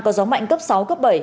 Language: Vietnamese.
có gió mạnh cấp sáu cấp bảy